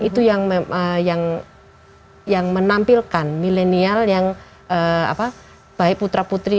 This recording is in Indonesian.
itu yang menampilkan milenial yang baik putra putri